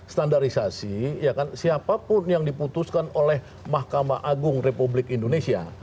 standarisasi siapapun yang diputuskan oleh mahkamah agung republik indonesia